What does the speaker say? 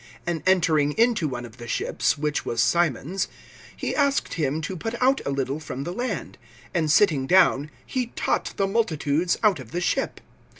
(3)And entering into one of the ships, which was Simon's, he asked him to put out a little from the land. And sitting down, he taught the multitudes out of the ship.